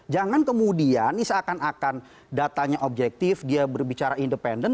jangan kemudian seakan akan datanya objektif dia berbicara independen